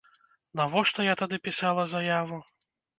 Навошта я тады пісала заяву?